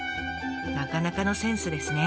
なかなかのセンスですね。